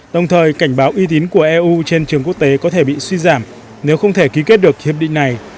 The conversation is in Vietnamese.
đồng thời cảnh báo uy tín của eu trên trường quốc tế có thể bị suy giảm nếu không thể ký kết được hiệp định này